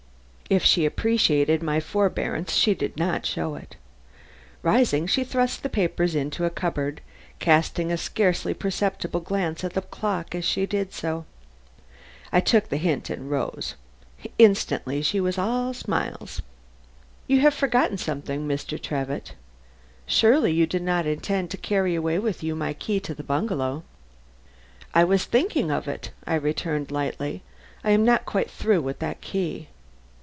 If she appreciated my forbearance she did not show it. Rising, she thrust the papers into a cupboard, casting a scarcely perceptible glance at the clock as she did so. I took the hint and rose. Instantly she was all smiles. "You have forgotten something, Mr. Trevitt. Surely you do not intend to carry away with you my key to the bungalow." "I was thinking of it," I returned lightly. "I am not quite through with that key."